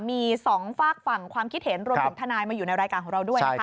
มีสองฝากฝั่งความคิดเห็นรวมถึงทนายมาอยู่ในรายการของเราด้วยนะคะ